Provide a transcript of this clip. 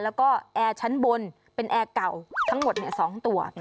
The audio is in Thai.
แล้วก็แอร์ชั้นบนเป็นแอร์เก่าทั้งหมด๒ตัว